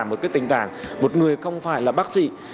mà hồi hộp với bác sĩ một người không phải là bác sĩ